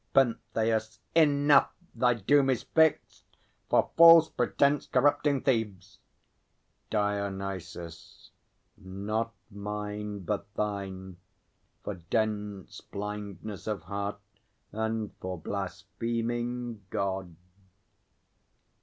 PENTHEUS. Enough! Thy doom is fixed, for false pretence Corrupting Thebes. DIONYSUS. Not mine; but thine, for dense Blindness of heart, and for blaspheming God!